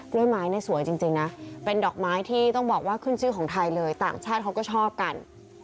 ด้วยไม้เนี่ยสวยจริงนะเป็นดอกไม้ที่ต้องบอกว่าขึ้นชื่อของไทยเลยต่างชาติเขาก็ชอบกัน